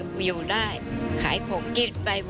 อันดับ๖๓๕จัดใช้วิจิตร